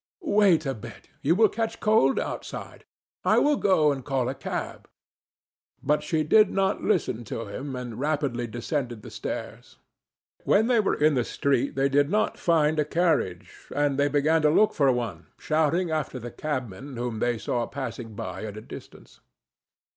"Wait a bit. You will catch cold outside. I will go and call a cab." But she did not listen to him, and rapidly descended the stairs. When they were in the street they did not find a carriage; and they began to look for one, shouting after the cabmen whom they saw passing by at a distance.